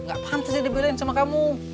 gak pantas dia dibelain sama kamu